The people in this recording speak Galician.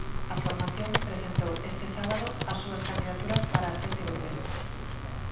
A formación presentou este sábado as súas candidaturas para as sete urbes.